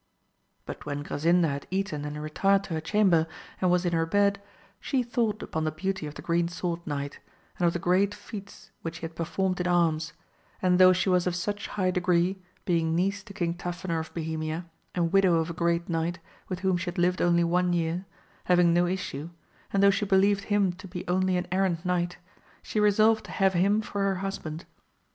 But when Grasinda had eaten and retired to her chamber, and was in her bed, she thought upon the beauty of the Green Sword Knight, and of the great feats which he had performed in arms ; and though she was of such high degree, being niece to King Tafinor of Bohemia, and widow of a great knight, with whom she had Hved only one year, having no issue, and though she believed him to be only an errant knight, she resolved to have him for her hus band.